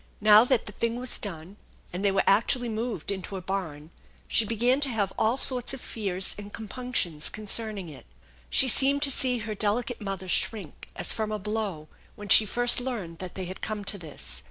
Now that the thing was done and they were actually moved into a barn she began to have all sorts of fears and compunctions concerning it. She seemed to see her delicate mother shrink as from a blow when she first learned that they had come to this.